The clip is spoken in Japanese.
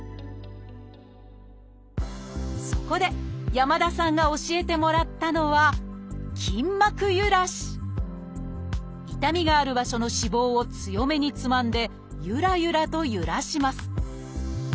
そこで山田さんが教えてもらったのは痛みがある場所の脂肪を強めにつまんでゆらゆらとゆらします。